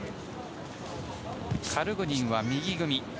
カルグニンは右組み。